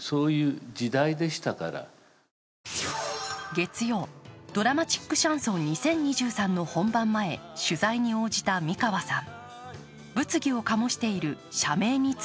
月曜、「ドラマチックシャンソン２０２３」の本番前取材に応じた美川さん。